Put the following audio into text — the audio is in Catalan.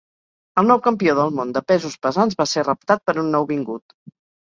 El nou campió del món de pesos pesants va ser reptat per un nouvingut.